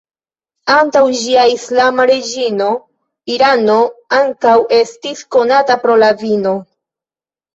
Antaŭ ĝia islama reĝimo, Irano ankaŭ estis konata pro la vino.